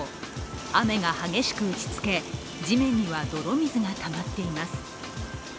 雨が激しく打ちつけ地面には泥水がたまっています。